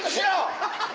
ハハハハ！